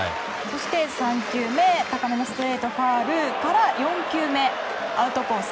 そして３球目高めのストレートカーブから４球目、アウトコース